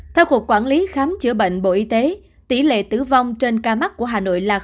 theo cục quản lý khám chữa bệnh bộ y tế tỷ lệ tử vong trên ca mắc của hà nội là